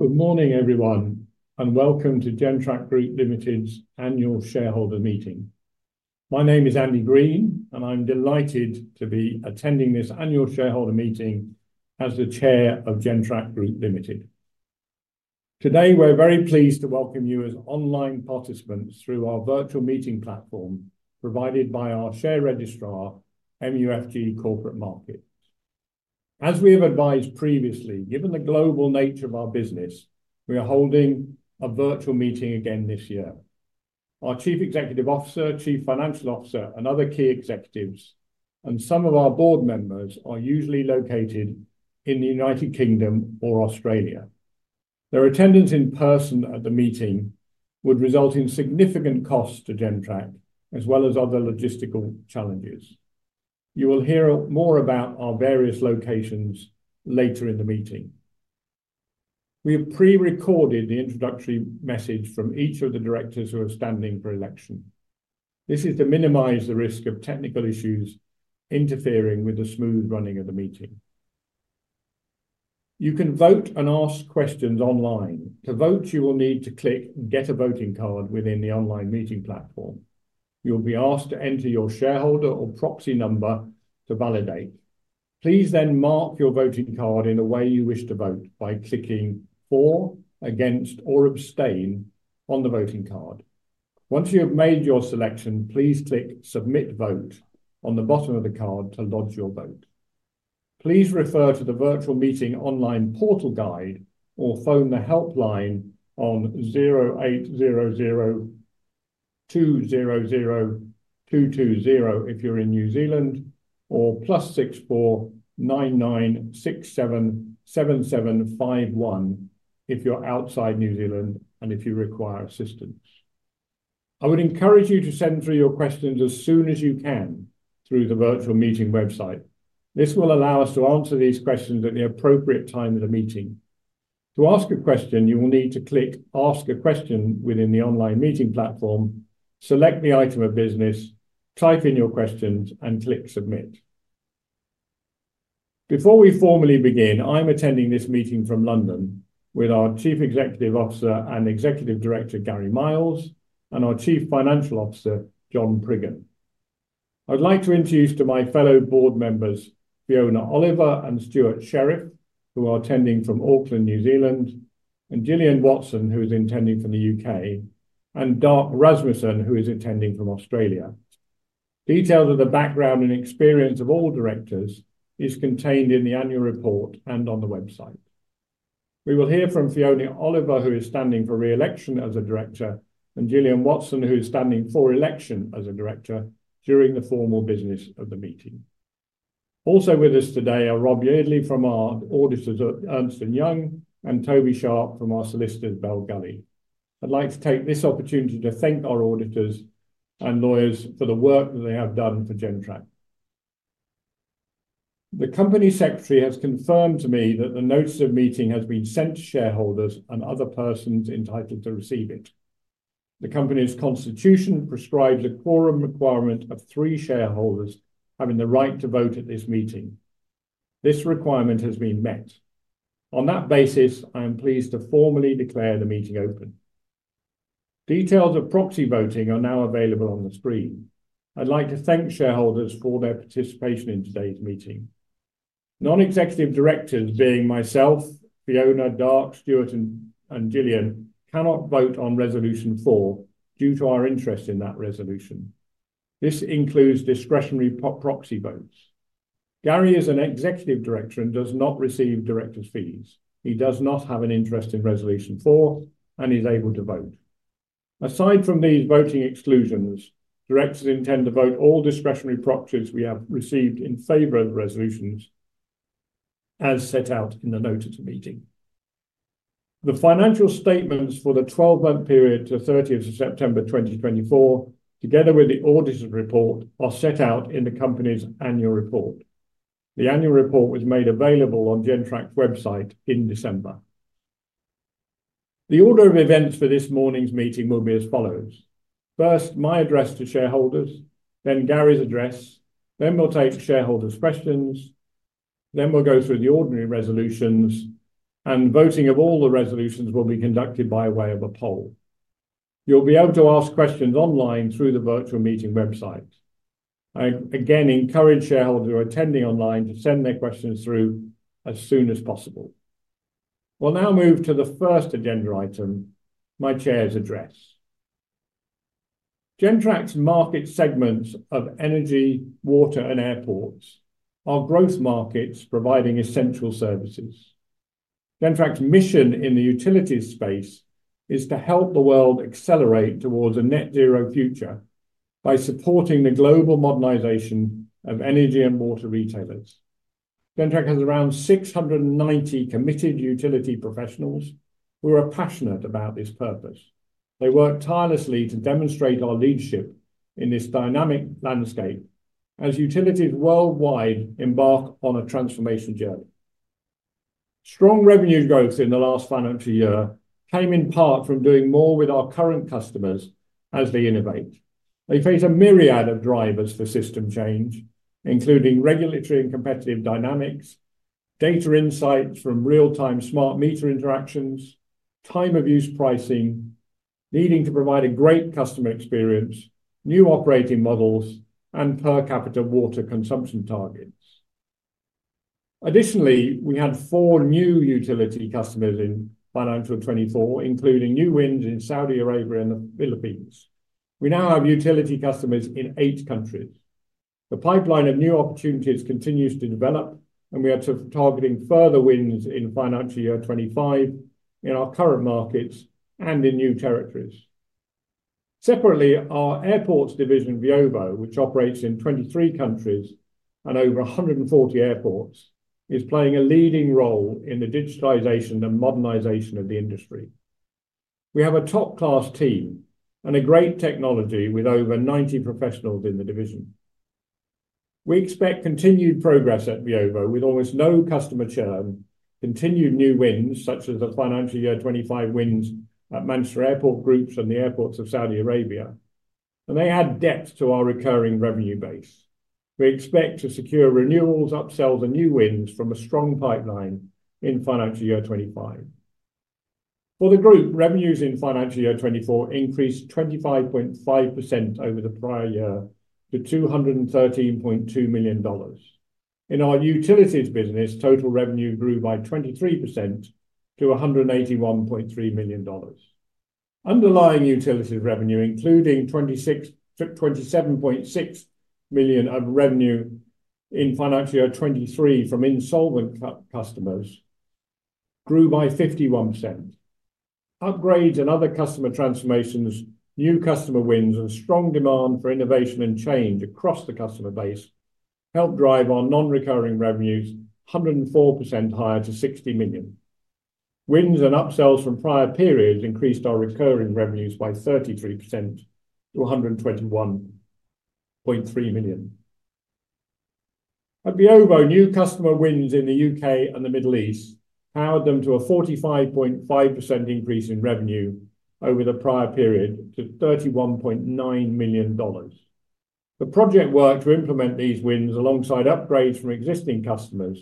Good morning, everyone, and welcome to Gentrack Group Limited's Annual Shareholder Meeting. My name is Andy Green, and I'm delighted to be attending this annual shareholder meeting as the Chair of Gentrack Group Limited. Today, we're very pleased to welcome you as online participants through our virtual meeting platform provided by our share registrar, MUFG Corporate Markets. As we have advised previously, given the global nature of our business, we are holding a virtual meeting again this year. Our CEO, CFO, and other key executives, and some of our board members, are usually located in the United Kingdom or Australia. Their attendance in person at the meeting would result in significant costs to Gentrack, as well as other logistical challenges. You will hear more about our various locations later in the meeting. We have pre-recorded the introductory message from each of the directors who are standing for election. This is to minimize the risk of technical issues interfering with the smooth running of the meeting. You can vote and ask questions online. To vote, you will need to click "Get a Voting Card" within the online meeting platform. You'll be asked to enter your shareholder or proxy number to validate. Please then mark your voting card in the way you wish to vote by clicking "For," "Against," or "Abstain" on the voting card. Once you have made your selection, please click "Submit Vote" on the bottom of the card to lodge your vote. Please refer to the virtual meeting online portal guide or phone the helpline on 0800 200 220 if you're in New Zealand, or +64 9967 7751 if you're outside New Zealand and if you require assistance. I would encourage you to send through your questions as soon as you can through the virtual meeting website. This will allow us to answer these questions at the appropriate time of the meeting. To ask a question, you will need to click "Ask a Question" within the online meeting platform, select the item of business, type in your questions, and click "Submit." Before we formally begin, I'm attending this meeting from London with our CEO and Executive Director, Gary Miles, and our CFO, John Priggen. I'd like to introduce to my fellow board members, Fiona Oliver and Stewart Sherriff, who are attending from Auckland, New Zealand, and Gillian Watson, who is attending from the U.K., and Darc Rasmussen, who is attending from Australia. Details of the background and experience of all directors are contained in the annual report and on the website. We will hear from Fiona Oliver, who is standing for re-election as a director, and Gillian Watson, who is standing for election as a director during the formal business of the meeting. Also with us today are Rob Yeardley from our auditors, Ernst & Young, and Toby Sharpe from our solicitors, Bell Gully. I'd like to take this opportunity to thank our auditors and lawyers for the work that they have done for Gentrack. The Company Secretary has confirmed to me that the notice of meeting has been sent to shareholders and other persons entitled to receive it. The Company's constitution prescribes a quorum requirement of three shareholders having the right to vote at this meeting. This requirement has been met. On that basis, I am pleased to formally declare the meeting open. Details of proxy voting are now available on the screen. I'd like to thank shareholders for their participation in today's meeting. Non-executive directors, being myself, Fiona, Darc, Stewart, and Gillian, cannot vote on Resolution 4 due to our interest in that resolution. This includes discretionary proxy votes. Gary is an executive director and does not receive director's fees. He does not have an interest in Resolution 4 and is able to vote. Aside from these voting exclusions, directors intend to vote all discretionary proxies we have received in favor of the resolutions as set out in the notice of meeting. The financial statements for the 12-month period to 30th of September 2024, together with the auditor's report, are set out in the Company's annual report. The annual report was made available on Gentrack's website in December. The order of events for this morning's meeting will be as follows. First, my address to shareholders, then Gary's address, then we'll take shareholders' questions, then we'll go through the ordinary resolutions, and voting of all the resolutions will be conducted by way of a poll. You'll be able to ask questions online through the virtual meeting website. I again encourage shareholders who are attending online to send their questions through as soon as possible. We'll now move to the first agenda item, my Chair's address. Gentrack's market segments of Energy, Water, and Airports are growth markets providing essential services. Gentrack's mission in the utilities space is to help the world accelerate towards a net-zero future by supporting the global modernization of energy and water retailers. Gentrack has around 690 committed utility professionals who are passionate about this purpose. They work tirelessly to demonstrate our leadership in this dynamic landscape as utilities worldwide embark on a transformation journey. Strong revenue growth in the last financial year came in part from doing more with our current customers as they innovate. They face a myriad of drivers for system change, including regulatory and competitive dynamics, data insights from real-time smart meter interactions, time-of-use pricing, needing to provide a great customer experience, new operating models, and per capita water consumption targets. Additionally, we had four new utility customers financial year 2024, including new wins in Saudi Arabia and the Philippines. We now have utility customers in eight countries. The pipeline of new opportunities continues to develop, and we are targeting further wins in financial year 2025 in our current markets and in new territories. Separately, our Airports division, Veovo, which operates in 23 countries and over 140 airports, is playing a leading role in the digitalization and modernization of the industry. We have a top-class team and a great technology with over 90 professionals in the division. We expect continued progress at Veovo with almost no customer churn, continued new wins such as the financial year 2025 wins at Manchester Airports Group and the airports of Saudi Arabia, and they add depth to our recurring revenue base. We expect to secure renewals, upsells, and new wins from a strong pipeline in financial year 2025. For the Group, revenues in financial year 2024 increased 25.5% over the prior year to 213.2 million dollars. In our utilities business, total revenue grew by 23% to 181.3 million dollars. Underlying utilities revenue, including 27.6 million of revenue in financial year 2023 from insolvent customers, grew by 51%. Upgrades and other customer transformations, new customer wins, and strong demand for innovation and change across the customer base helped drive our non-recurring revenues 104% higher to 60 million. Wins and upsells from prior periods increased our recurring revenues by 33% to 121.3 million. At Veovo, new customer wins in the U.K. and the Middle East powered them to a 45.5% increase in revenue over the prior period to 31.9 million dollars. The project work to implement these wins, alongside upgrades from existing customers,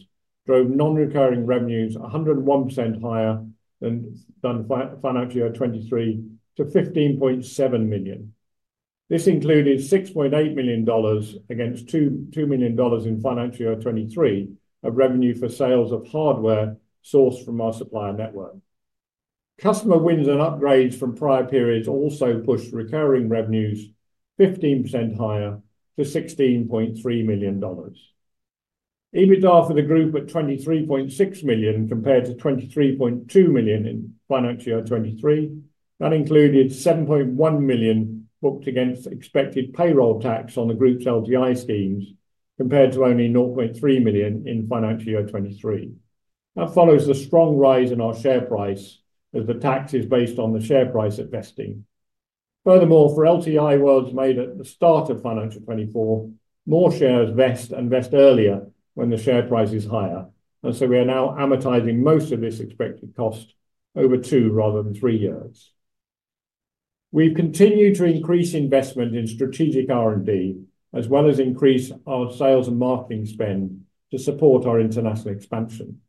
drove non-recurring revenues 101% higher than financial year 2023 to 15.7 million. This included 6.8 million dollars against 2 million dollars in financial year 2023 of revenue for sales of hardware sourced from our supplier network. Customer wins and upgrades from prior periods also pushed recurring revenues 15% higher to 16.3 million dollars. EBITDA for the Group at 23.6 million compared to 23.2 million in financial year 2023. That included 7.1 million booked against expected payroll tax on the Group's LTI schemes, compared to only 0.3 million in financial year 2023. That follows the strong rise in our share price as the tax is based on the share price at vesting. Furthermore, for LTI Awards made at the start of financial 2024, more shares vest and vest earlier when the share price is higher, and so we are now amortizing most of this expected cost over two rather than three years. We've continued to increase investment in strategic R&D, as well as increase our sales and marketing spend to support our international expansion.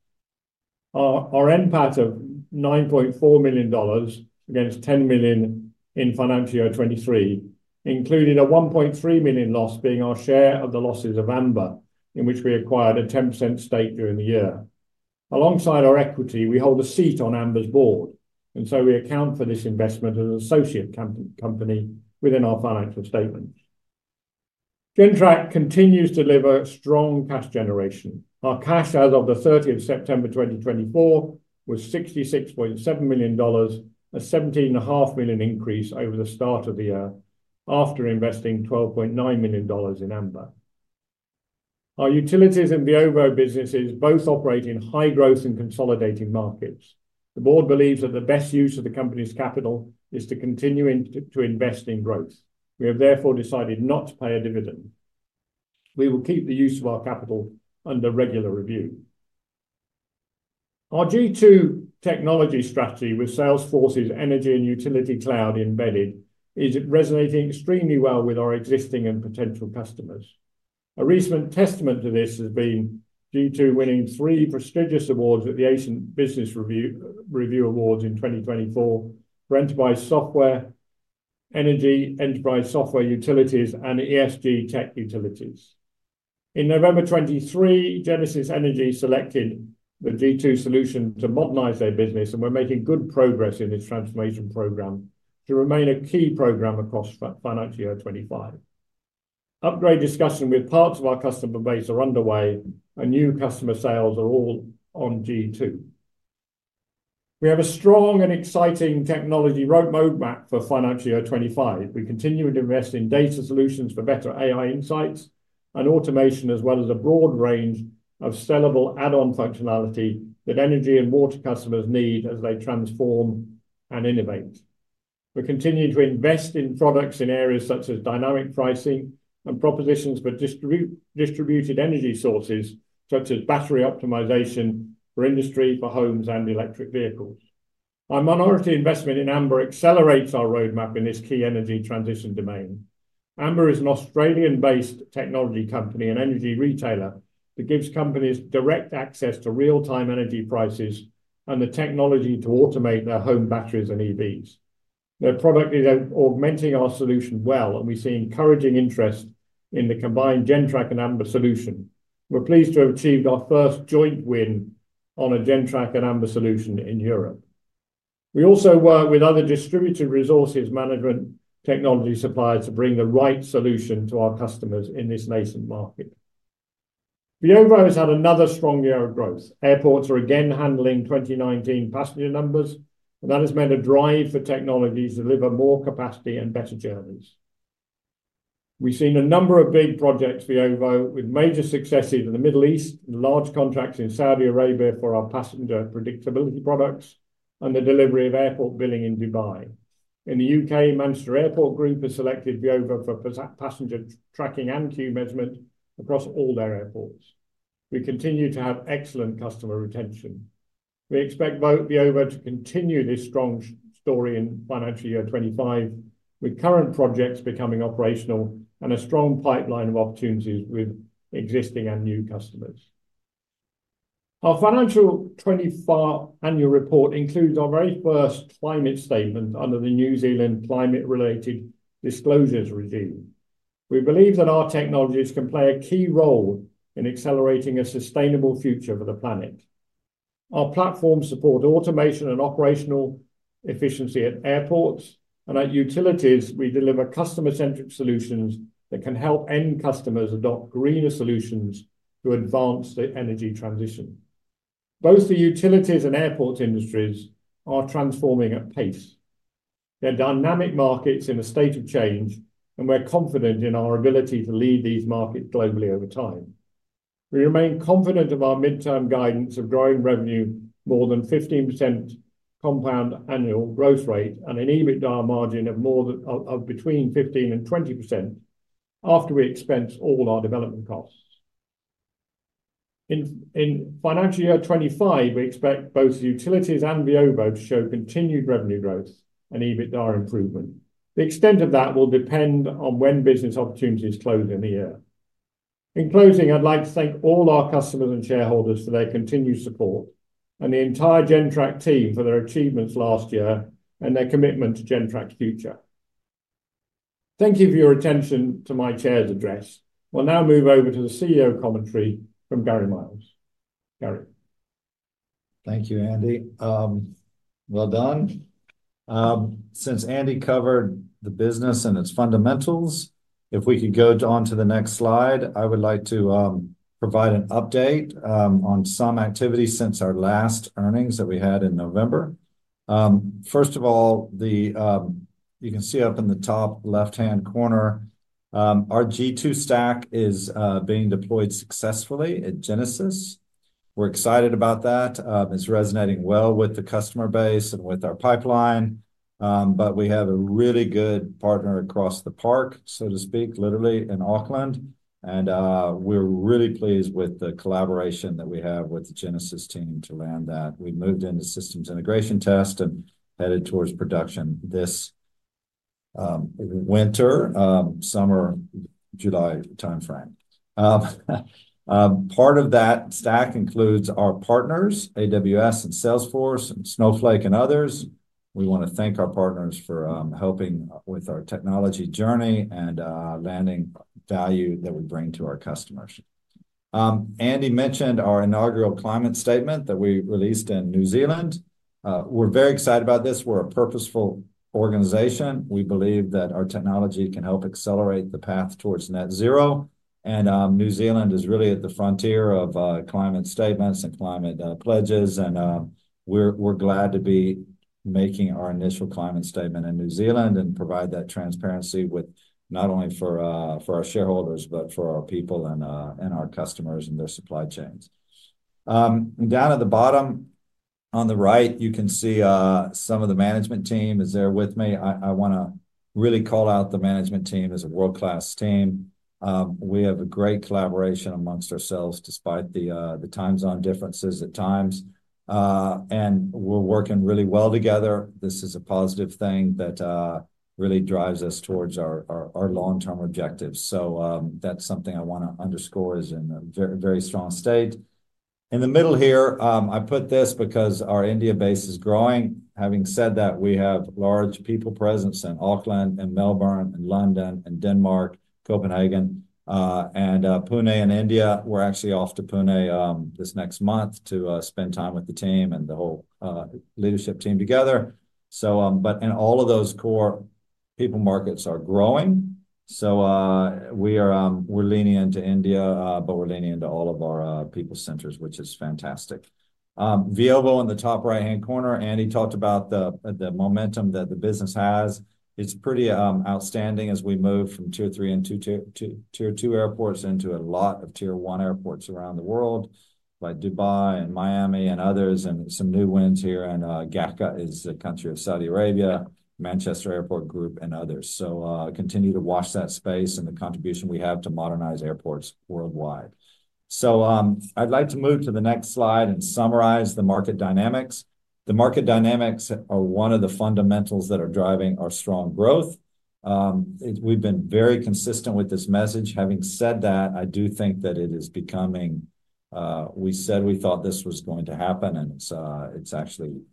Our NPAT of 9.4 million dollars against 10 million in financial year 2023, including a 1.3 million loss, being our share of the losses of Amber, in which we acquired a 10% stake during the year. Alongside our equity, we hold a seat on Amber's board, and so we account for this investment as an associate company within our financial statements. Gentrack continues to deliver strong cash generation. Our cash as of the 30th of September 2024 was 66.7 million dollars, a 17.5 million increase over the start of the year after investing 12.9 million dollars in Amber. Our utilities and Veovo businesses both operate in high-growth and consolidating markets. The Board believes that the best use of the Company's capital is to continue to invest in growth. We have therefore decided not to pay a dividend. We will keep the use of our capital under regular review. Our g2 technology strategy, with Salesforce's Energy and Utilities Cloud embedded, is resonating extremely well with our existing and potential customers. A recent testament to this has been g2 winning three prestigious awards at the Asian Business Review Awards in 2024 for Enterprise Software Energy, Enterprise Software Utilities, and ESG Tech Utilities. In November 2023, Genesis Energy selected the g2 solution to modernize their business, and we're making good progress in this transformation program to remain a key program across financial year 2025. Upgrade discussion with parts of our customer base are underway, and new customer sales are all on g2. We have a strong and exciting technology roadmap for financial year 2025. We continue to invest in data solutions for better AI insights and automation, as well as a broad range of sellable add-on functionality that energy and water customers need as they transform and innovate. We continue to invest in products in areas such as dynamic pricing and propositions for distributed energy sources, such as battery optimization for industry, for homes, and electric vehicles. Our minority investment in Amber accelerates our roadmap in this key energy transition domain. Amber is an Australian-based technology company and energy retailer that gives companies direct access to real-time energy prices and the technology to automate their home batteries and EVs. Their product is augmenting our solution well, and we see encouraging interest in the combined Gentrack and Amber solution. We're pleased to have achieved our first joint win on a Gentrack and Amber solution in Europe. We also work with other distributed resources management technology suppliers to bring the right solution to our customers in this nascent market. Veovo has had another strong year of growth. Airports are again handling 2019 passenger numbers, and that has made a drive for technologies to deliver more capacity and better journeys. We've seen a number of big projects for Veovo, with major successes in the Middle East and large contracts in Saudi Arabia for our passenger predictability products and the delivery of airport billing in Dubai. In the U.K., Manchester Airports Group has selected Veovo for passenger tracking and queue measurement across all their airports. We continue to have excellent customer retention. We expect Veovo to continue this strong story financial year 2025, with current projects becoming operational and a strong pipeline of opportunities with existing and new customers. Our financial 2024 annual report includes our very first climate statement under the New Zealand Climate-Related Disclosures Regime. We believe that our technologies can play a key role in accelerating a sustainable future for the planet. Our platforms support automation and operational efficiency at airports, and at utilities, we deliver customer-centric solutions that can help end customers adopt greener solutions to advance the energy transition. Both the utilities and airport industries are transforming at pace. They're dynamic markets in a state of change, and we're confident in our ability to lead these markets globally over time. We remain confident of our midterm guidance of growing revenue more than 15% compound annual growth rate and an EBITDA margin of more than between 15% and 20% after we expense all our development costs. financial year 2025, we expect both utilities and Veovo to show continued revenue growth and EBITDA improvement. The extent of that will depend on when business opportunities close in the year. In closing, I'd like to thank all our customers and shareholders for their continued support and the entire Gentrack team for their achievements last year and their commitment to Gentrack's future. Thank you for your attention to my chair's address. We'll now move over to the CEO commentary from Gary Miles. Gary. Thank you, Andy. Well done. Since Andy covered the business and its fundamentals, if we could go on to the next slide, I would like to provide an update on some activity since our last earnings that we had in November. First of all, you can see up in the top left-hand corner, our g2 stack is being deployed successfully at Genesis. We're excited about that. It's resonating well with the customer base and with our pipeline, but we have a really good partner across the park, so to speak, literally in Auckland, and we're really pleased with the collaboration that we have with the Genesis team to land that. We've moved into systems integration test and headed towards production this winter, summer, July timeframe. Part of that stack includes our partners, AWS and Salesforce and Snowflake and others. We want to thank our partners for helping with our technology journey and landing value that we bring to our customers. Andy mentioned our inaugural climate statement that we released in New Zealand. We're very excited about this. We're a purposeful organization. We believe that our technology can help accelerate the path towards net zero, and New Zealand is really at the frontier of climate statements and climate pledges, and we're glad to be making our initial climate statement in New Zealand and provide that transparency not only for our shareholders, but for our people and our customers and their supply chains. Down at the bottom on the right, you can see some of the management team is there with me. I want to really call out the management team as a world-class team. We have a great collaboration among ourselves despite the timezone differences at times, and we're working really well together. This is a positive thing that really drives us towards our long-term objectives. So that's something I want to underscore is in a very strong state. In the middle here, I put this because our India base is growing. Having said that, we have large people presence in Auckland and Melbourne and London and Denmark, Copenhagen, and Pune in India. We're actually off to Pune this next month to spend time with the team and the whole leadership team together. But all of those core people markets are growing. So we're leaning into India, but we're leaning into all of our people centers, which is fantastic. Veovo in the top right-hand corner, Andy talked about the momentum that the business has. It's pretty outstanding as we move from Tier 3 and Tier 2 airports into a lot of Tier 1 airports around the world by Dubai and Miami and others, and some new wins here. And GACA is the country of Saudi Arabia, Manchester Airports Group, and others. So continue to watch that space and the contribution we have to modernize airports worldwide. So I'd like to move to the next slide and summarize the market dynamics. The market dynamics are one of the fundamentals that are driving our strong growth. We've been very consistent with this message. Having said that, I do think that it is becoming we said we thought this was going to happen, and it's actually happening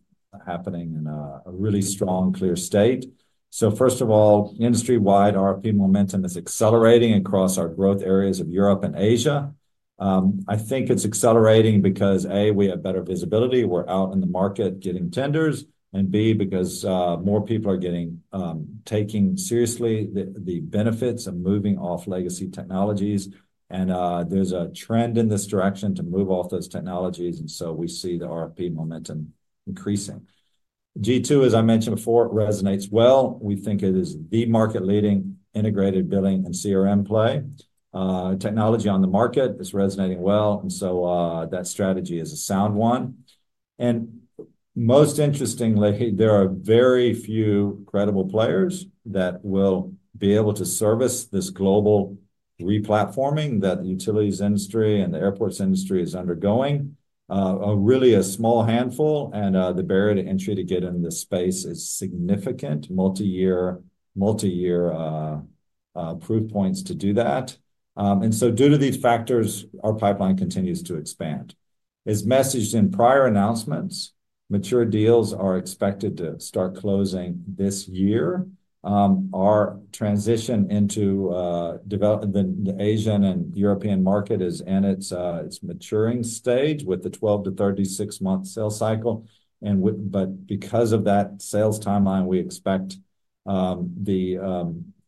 in a really strong, clear state. So first of all, industry-wide, our people momentum is accelerating across our growth areas of Europe and Asia. I think it's accelerating because, A, we have better visibility. We're out in the market getting tenders, and B, because more people are taking seriously the benefits of moving off legacy technologies, and there's a trend in this direction to move off those technologies, and so we see the RFP momentum increasing. g2, as I mentioned before, resonates well. We think it is the market-leading integrated billing and CRM play. Technology on the market is resonating well, and so that strategy is a sound one. Most interestingly, there are very few credible players that will be able to service this global re-platforming that the utilities industry and the airports industry is undergoing. Really a small handful, and the barrier to entry to get in this space is significant multi-year proof points to do that. And so due to these factors, our pipeline continues to expand. As messaged in prior announcements, mature deals are expected to start closing this year. Our transition into the Asian and European market is in its maturing stage with the 12- to 36-month sales cycle. But because of that sales timeline, we expect the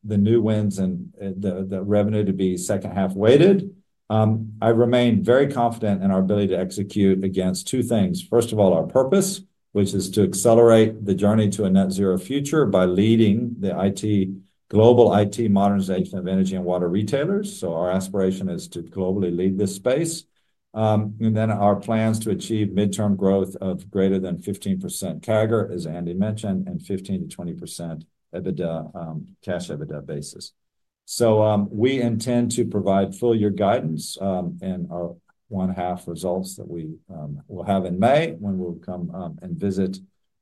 new wins and the revenue to be second-half weighted. I remain very confident in our ability to execute against two things. First of all, our purpose, which is to accelerate the journey to a net-zero future by leading the global IT modernization of energy and water retailers, so our aspiration is to globally lead this space, and then our plans to achieve mid-term growth of greater than 15% CAGR, as Andy mentioned, and 15%-20% EBITDA, cash EBITDA basis, so we intend to provide full-year guidance in our half-year results that we will have in May when we'll come and visit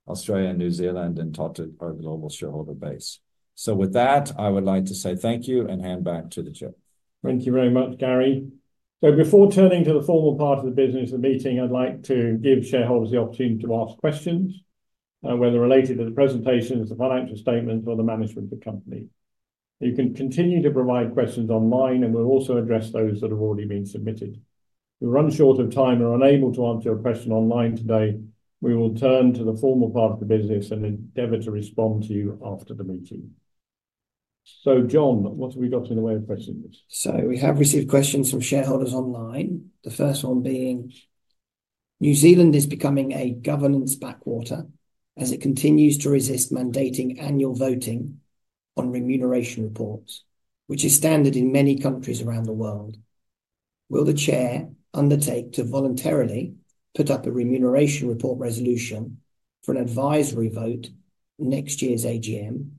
Australia and New Zealand and talk to our global shareholder base, so with that, I would like to say thank you and hand back to the chair. Thank you very much, Gary. So before turning to the formal part of the business of the meeting, I'd like to give shareholders the opportunity to ask questions whether related to the presentations, the financial statements, or the management of the company. You can continue to provide questions online, and we'll also address those that have already been submitted. If we run short of time and are unable to answer your question online today, we will turn to the formal part of the business and endeavor to respond to you after the meeting. So John, what have we got in the way of questions? So we have received questions from shareholders online. The first one being, New Zealand is becoming a governance backwater as it continues to resist mandating annual voting on remuneration reports, which is standard in many countries around the world. Will the chair undertake to voluntarily put up a remuneration report resolution for an advisory vote next year's AGM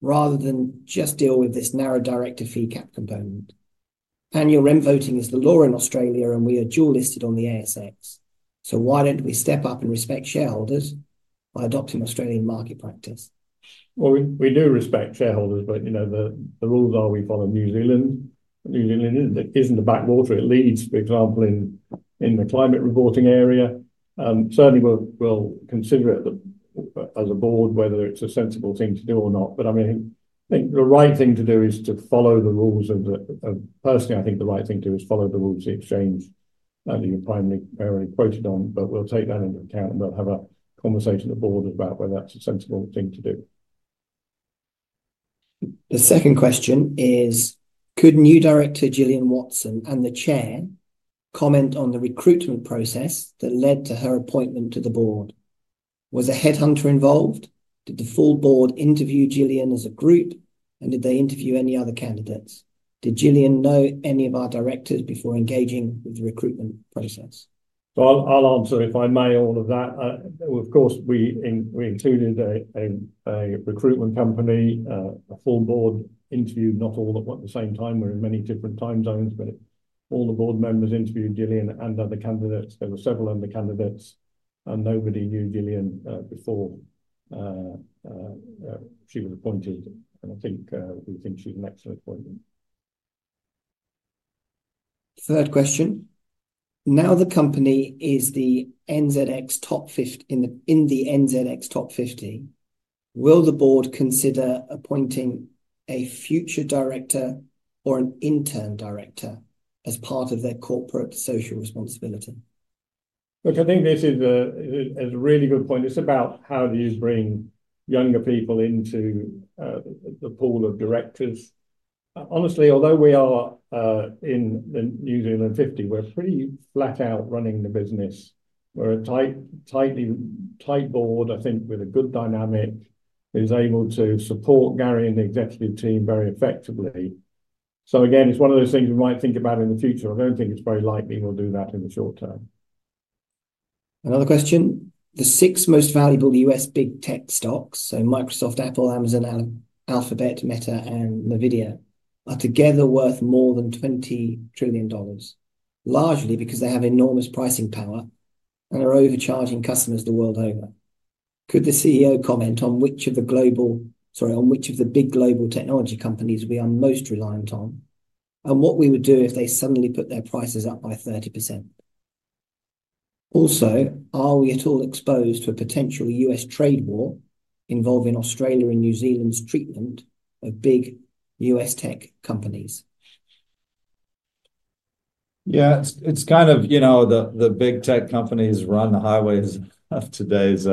rather than just deal with this narrow director fee cap component? Annual Rem voting is the law in Australia, and we are dual-listed on the ASX. So why don't we step up and respect shareholders by adopting Australian market practice? Well, we do respect shareholders, but the rules are, we follow New Zealand. New Zealand isn't a backwater. It leads, for example, in the climate reporting area. Certainly, we'll consider it as a board whether it's a sensible thing to do or not. I think the right thing to do is follow the rules of the exchange that you primarily quoted on, but we'll take that into account, and we'll have a conversation at the board about whether that's a sensible thing to do. The second question is, could new director Gillian Watson and the chair comment on the recruitment process that led to her appointment to the board? Was a headhunter involved? Did the full board interview Gillian as a group, and did they interview any other candidates? Did Gillian know any of our directors before engaging with the recruitment process? I'll answer if I may all of that. Of course, we included a recruitment company. A full board interviewed not all at the same time. We're in many different time zones, but all the board members interviewed Gillian and other candidates. There were several other candidates, and nobody knew Gillian before she was appointed, and I think we think she's an excellent appointment. Third question. Now the company is the NZX top 50 in the NZX top 50. Will the board consider appointing a future director or an intern director as part of their corporate social responsibility? Look, I think this is a really good point. It's about how do you bring younger people into the pool of directors. Honestly, although we are in the New Zealand 50, we're pretty flat out running the business. We're a tight board, I think, with a good dynamic who's able to support Gary and the executive team very effectively, so again, it's one of those things we might think about in the future. I don't think it's very likely we'll do that in the short term. Another question. The six most valuable U.S. big tech stocks, so Microsoft, Apple, Amazon, Alphabet, Meta, and NVIDIA, are together worth more than 20 trillion dollars, largely because they have enormous pricing power and are overcharging customers the world over. Could the CEO comment on which of the global, sorry, on which of the big global technology companies we are most reliant on and what we would do if they suddenly put their prices up by 30%? Also, are we at all exposed to a potential U.S. trade war involving Australia and New Zealand's treatment of big U.S. tech companies? Yeah, it's kind of, the big tech companies run the highways of today's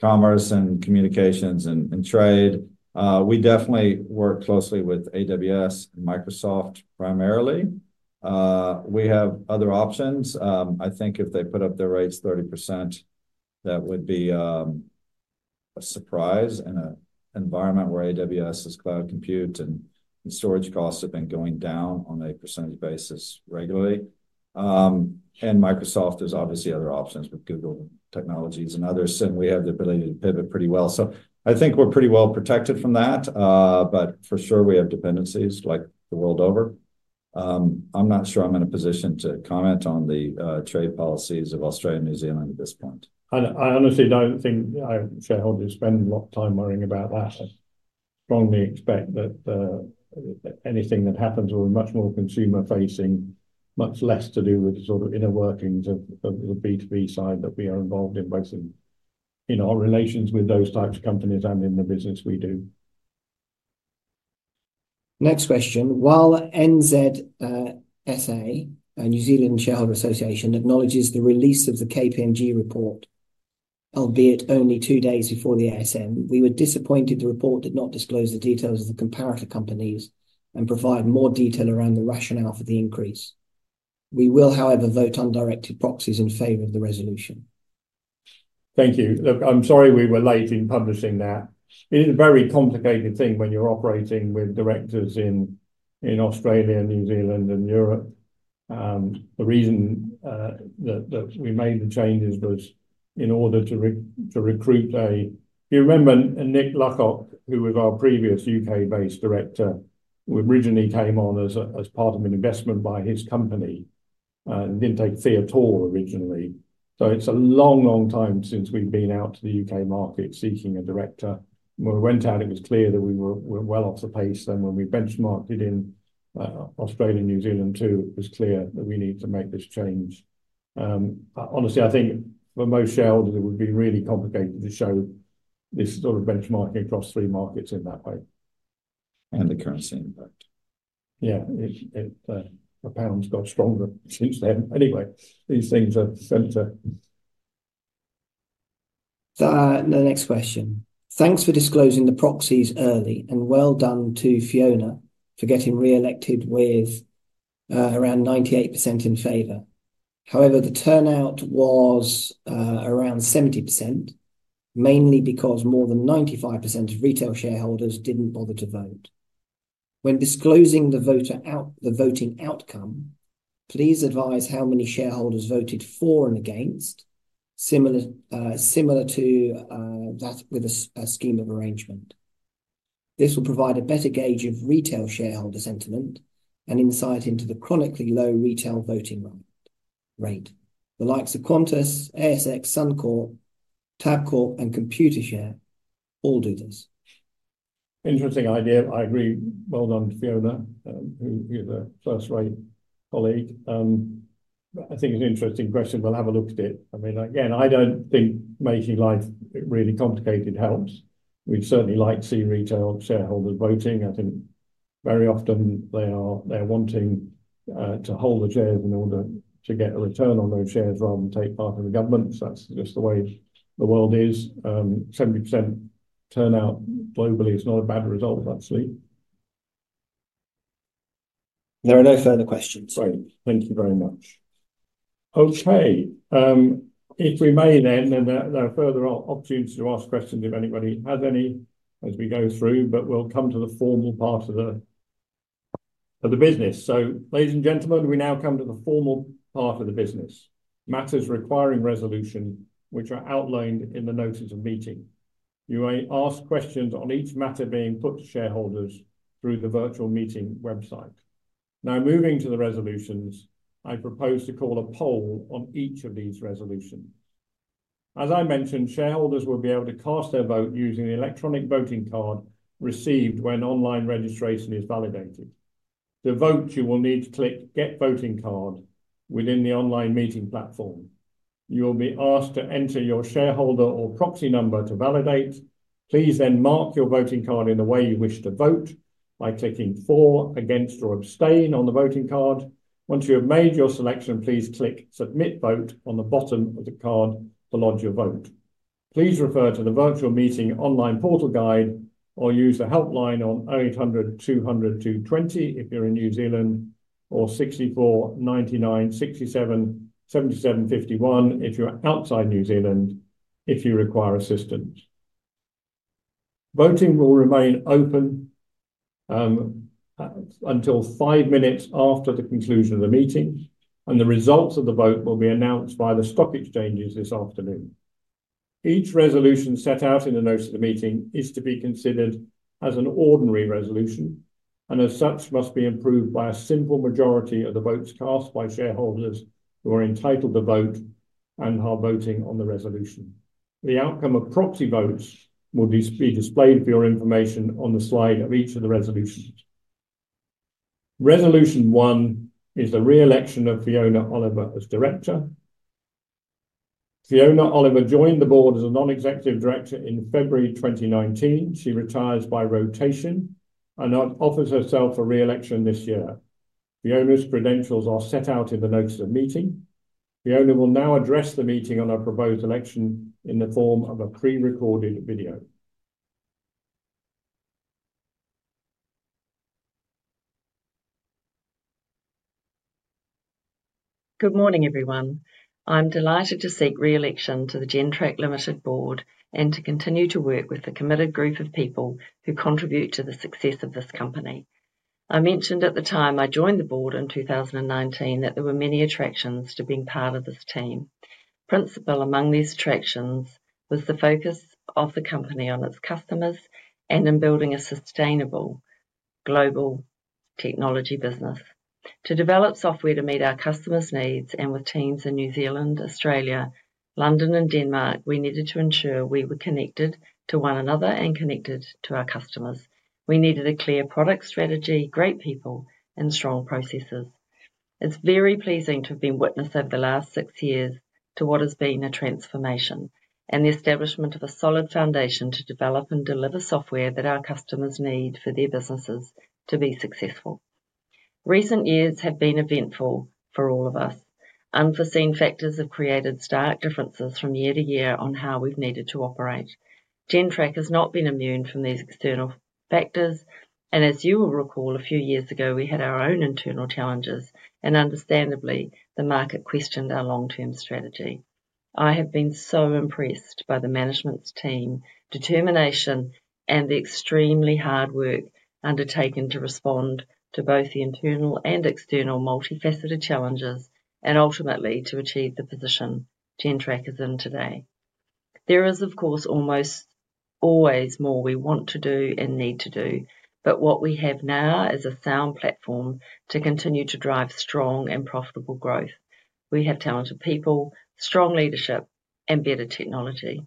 commerce and communications and trade. We definitely work closely with AWS and Microsoft primarily. We have other options. I think if they put up their rates 30%, that would be a surprise in an environment where AWS's cloud compute and storage costs have been going down on a percentage basis regularly, and Microsoft has obviously other options with Google Technologies and others, and we have the ability to pivot pretty well, so I think we're pretty well protected from that, but for sure we have dependencies like the world over. I'm not sure I'm in a position to comment on the trade policies of Australia and New Zealand at this point. I honestly don't think shareholders spend a lot of time worrying about that. I strongly expect that anything that happens will be much more consumer-facing, much less to do with the sort of inner workings of the B2B side that we are involved in, both in our relations with those types of companies and in the business we do. Next question. While NZSA, a New Zealand Shareholders Association, acknowledges the release of the KPMG report, albeit only two days before the ASM, we were disappointed the report did not disclose the details of the comparator companies and provide more detail around the rationale for the increase. We will, however, vote on directed proxies in favor of the resolution. Thank you. Look, I'm sorry we were late in publishing that. It is a very complicated thing when you're operating with directors in Australia, New Zealand, and Europe. The reason that we made the changes was in order to recruit a—do you remember Nick Luckock, who was our previous U.K.-based director? We originally came on as part of an investment by his company. He didn't take fee at all originally. So it's a long, long time since we've been out to the U.K. market seeking a director. When we went out, it was clear that we were well off the pace. Then when we benchmarked it in Australia and New Zealand too, it was clear that we need to make this change. Honestly, I think for most shareholders, it would be really complicated to show this sort of benchmarking across three markets in that way, and the currency impact. Yeah, the pound's got stronger since then. Anyway, these things are central. The next question. Thanks for disclosing the proxies early, and well done to Fiona for getting re-elected with around 98% in favor. However, the turnout was around 70%, mainly because more than 95% of retail shareholders didn't bother to vote. When disclosing the voting outcome, please advise how many shareholders voted for and against, similar to that with a scheme of arrangement. This will provide a better gauge of retail shareholder sentiment and insight into the chronically low retail voting rate. The likes of Qantas, ASX, Suncorp, Tabcorp, and Computershare all do this. Interesting idea. I agree. Well done, Fiona, who is a first-rate colleague. I think it's an interesting question. We'll have a look at it. I mean, again, I don't think making life really complicated helps. We'd certainly like to see retail shareholders voting. I think very often they are wanting to hold the shares in order to get a return on those shares rather than take part in the governance. That's just the way the world is. 70% turnout globally is not a bad result, actually. There are no further questions. Sorry. Thank you very much. Okay. If we may then, and there are further opportunities to ask questions if anybody has any as we go through, but we'll come to the formal part of the business. So, ladies and gentlemen, we now come to the formal part of the business, matters requiring resolution, which are outlined in the notice of meeting. You may ask questions on each matter being put to shareholders through the virtual meeting website. Now, moving to the resolutions, I propose to call a poll on each of these resolutions. As I mentioned, shareholders will be able to cast their vote using the electronic voting card received when online registration is validated. To vote, you will need to click "Get Voting Card" within the online meeting platform. You will be asked to enter your shareholder or proxy number to validate. Please then mark your voting card in the way you wish to vote by clicking "For," "Against," or "Abstain" on the voting card. Once you have made your selection, please click "Submit Vote" on the bottom of the card to lodge your vote. Please refer to the virtual meeting online portal guide or use the helpline on 0800 200 220 if you're in New Zealand, or 64 99 67 77 51 if you're outside New Zealand if you require assistance. Voting will remain open until five minutes after the conclusion of the meeting, and the results of the vote will be announced by the stock exchanges this afternoon. Each resolution set out in the notice of the meeting is to be considered as an ordinary resolution, and as such, must be approved by a simple majority of the votes cast by shareholders who are entitled to vote and are voting on the resolution. The outcome of proxy votes will be displayed for your information on the slide of each of the resolutions. Resolution 1 is the re-election of Fiona Oliver as director. Fiona Oliver joined the board as a non-executive director in February 2019. She retires by rotation and offers herself a re-election this year. Fiona's credentials are set out in the notice of meeting. Fiona will now address the meeting on her proposed election in the form of a pre-recorded video. Good morning, everyone. I'm delighted to seek re-election to the Gentrack Limited Board and to continue to work with the committed group of people who contribute to the success of this company. I mentioned at the time I joined the board in 2019 that there were many attractions to being part of this team. Principal among these attractions was the focus of the company on its customers and in building a sustainable global technology business. To develop software to meet our customers' needs and with teams in New Zealand, Australia, London, and Denmark, we needed to ensure we were connected to one another and connected to our customers. We needed a clear product strategy, great people, and strong processes. It's very pleasing to have been witness over the last six years to what has been a transformation and the establishment of a solid foundation to develop and deliver software that our customers need for their businesses to be successful. Recent years have been eventful for all of us. Unforeseen factors have created stark differences from year to year on how we've needed to operate. Gentrack has not been immune from these external factors, and as you will recall, a few years ago, we had our own internal challenges, and understandably, the market questioned our long-term strategy. I have been so impressed by the management team's determination and the extremely hard work undertaken to respond to both the internal and external multifaceted challenges, and ultimately to achieve the position Gentrack is in today. There is, of course, almost always more we want to do and need to do, but what we have now is a sound platform to continue to drive strong and profitable growth. We have talented people, strong leadership, and better technology.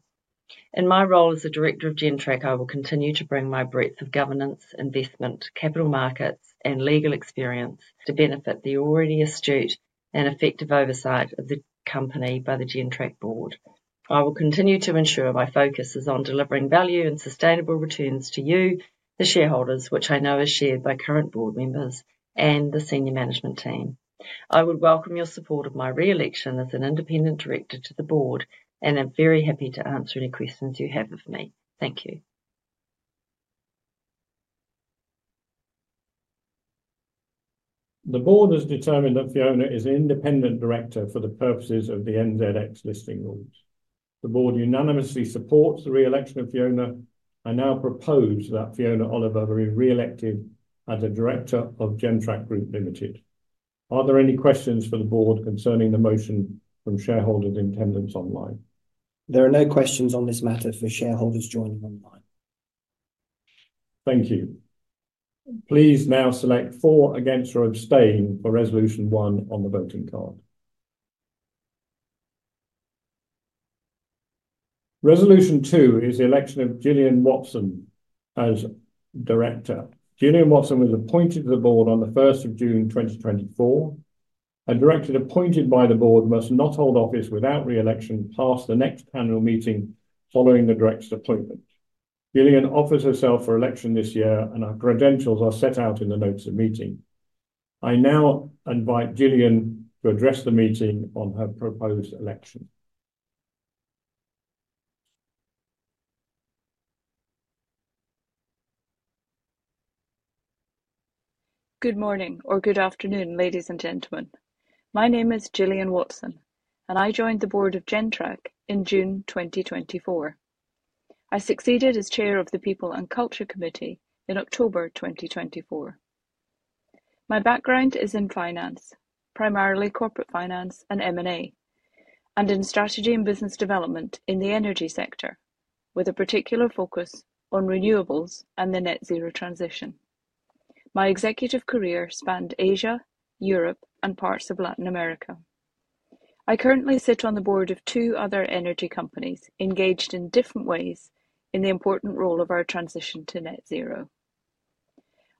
In my role as the director of Gentrack, I will continue to bring my breadth of governance, investment, capital markets, and legal experience to benefit the already astute and effective oversight of the company by the Gentrack board. I will continue to ensure my focus is on delivering value and sustainable returns to you, the shareholders, which I know is shared by current board members and the senior management team. I would welcome your support of my re-election as an independent director to the board, and I'm very happy to answer any questions you have of me. Thank you. The board has determined that Fiona is an independent director for the purposes of the NZX listing rules. The board unanimously supports the re-election of Fiona. I now propose that Fiona Oliver be re-elected as a director of Gentrack Group Limited. Are there any questions for the board concerning the motion from shareholders in attendance online? There are no questions on this matter for shareholders joining online. Thank you. Please now select "For," "Against," or "Abstain" for Resolution One on the voting card. Resolution 2 is the election of Gillian Watson as director. Gillian Watson was appointed to the board on the 1st of June 2024. A director appointed by the board must not hold office without re-election past the next annual meeting following the director's appointment. Gillian offers herself for election this year, and her credentials are set out in the notice of meeting. I now invite Gillian to address the meeting on her proposed election. Good morning or good afternoon, ladies and gentlemen. My name is Gillian Watson, and I joined the board of Gentrack in June 2024. I succeeded as chair of the People and Culture Committee in October 2024. My background is in finance, primarily Corporate Finance and M&A, and in Strategy and Business Development in the energy sector, with a particular focus on renewables and the net-zero transition. My executive career spanned Asia, Europe, and parts of Latin America. I currently sit on the board of two other energy companies engaged in different ways in the important role of our transition to net-zero.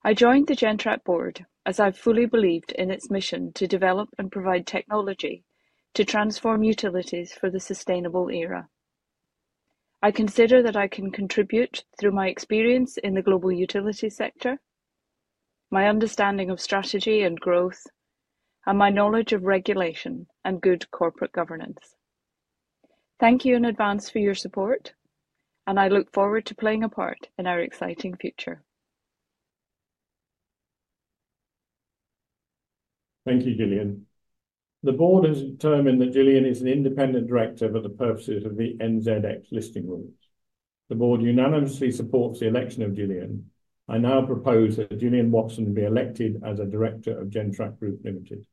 I joined the Gentrack board, as I've fully believed in its mission to develop and provide technology to transform utilities for the sustainable era. I consider that I can contribute through my experience in the global utility sector, my understanding of strategy and growth, and my knowledge of regulation and good corporate governance. Thank you in advance for your support, and I look forward to playing a part in our exciting future. Thank you, Gillian. The board has determined that Gillian is an independent director for the purposes of the NZX listing rules. The board unanimously supports the election of Gillian. I now propose that Gillian Watson be elected as a director of Gentrack Group Limited.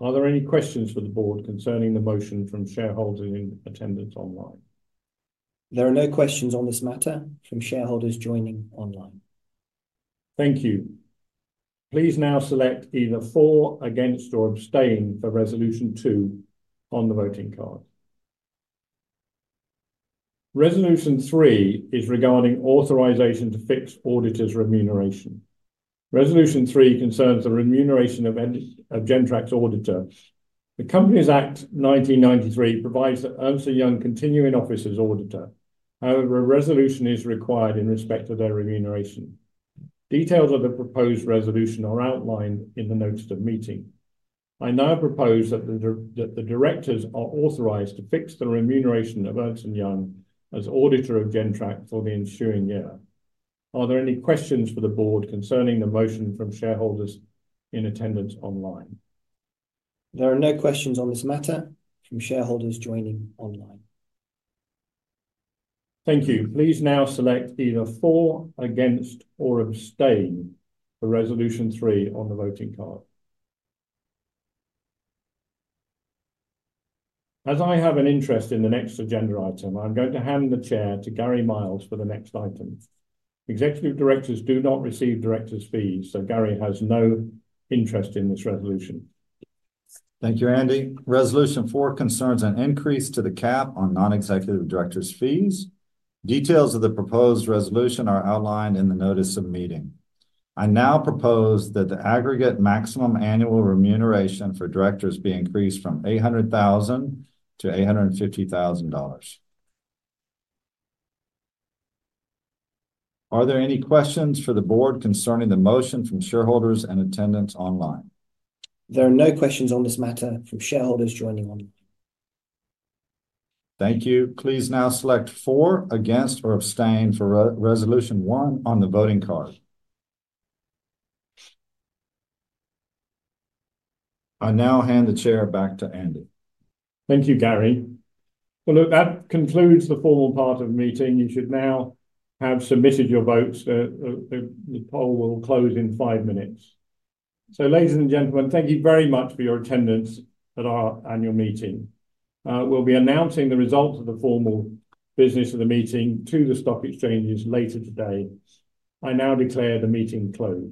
Are there any questions for the board concerning the motion from shareholders in attendance online? There are no questions on this matter from shareholders joining online. Thank you. Please now select either "For," "Against," or "Abstain" for Resolution Two on the voting card. Resolution Three is regarding authorization to fix auditors' remuneration. Resolution Three concerns the remuneration of Gentrack's auditors. The Companies Act 1993 provides that Ernst & Young continue in office as auditor. However, a resolution is required in respect of their remuneration. Details of the proposed resolution are outlined in the notice of meeting. I now propose that the directors are authorized to fix the remuneration of Ernst & Young as auditor of Gentrack for the ensuing year. Are there any questions for the board concerning the motion from shareholders in attendance online? There are no questions on this matter from shareholders joining online. Thank you. Please now select either "For," "Against," or "Abstain" for Resolution Three on the voting card. As I have an interest in the next agenda item, I'm going to hand the chair to Gary Miles for the next item. Executive directors do not receive director's fees, so Gary has no interest in this resolution. Thank you, Andy. Resolution Four concerns an increase to the cap on non-executive directors' fees. Details of the proposed resolution are outlined in the notice of meeting. I now propose that the aggregate maximum annual remuneration for directors be increased from 800,000 to 850,000 dollars. Are there any questions for the board concerning the motion from shareholders in attendance online? There are no questions on this matter from shareholders joining online. Thank you. Please now select "For," "Against," or "Abstain" for Resolution One on the voting card. I now hand the chair back to Andy. Thank you, Gary. Well, look, that concludes the formal part of the meeting. You should now have submitted your votes. The poll will close in five minutes. So, ladies and gentlemen, thank you very much for your attendance at our annual meeting. We'll be announcing the results of the formal business of the meeting to the stock exchanges later today. I now declare the meeting closed.